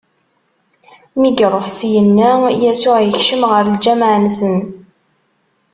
Mi iṛuḥ syenna, Yasuɛ ikcem ɣer lǧameɛ-nsen.